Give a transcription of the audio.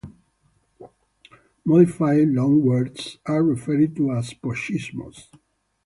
Modified loanwords are referred to as pochismos.